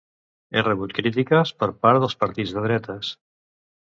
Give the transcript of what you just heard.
Ha rebut crítiques per part de partits de dretes.